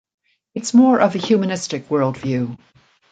It's more of a humanistic world view.